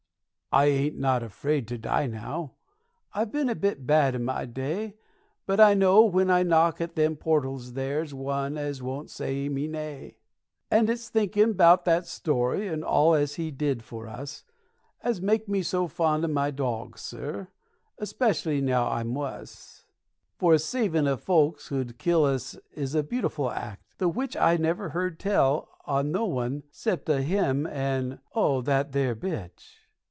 I ain't not afraid to die now; I've been a bit bad in my day, But I know when I knock at them portals there's one as won't say me nay. And it's thinkin' about that story, and all as he did for us, As make me so fond o' my dawg, sir; especially now I'm wus; For a savin' o' folks who'd kill us is a beautiful act, the which I never heard tell on o' no one, 'cept o' him and o' that there bitch.